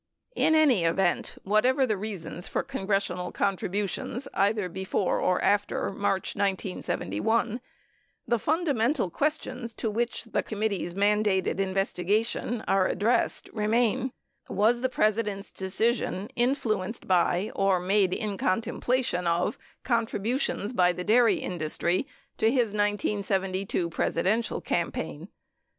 17 In any event, whatever the reasons for congressional contribu tions either before or after March 1971, the fundamental questions to which the White Paper — and the Select Committee's mandated investi gation — are addressed, remain : Was the President's decision "influ enced" by or made in contemplation of contributions by the dairy industry to bis 1972 Presidential campaign